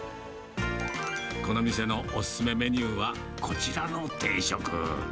この店のお勧めメニューはこちらの定食。